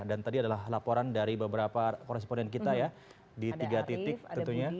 dan tadi adalah laporan dari beberapa koresponden kita ya di tiga titik tentunya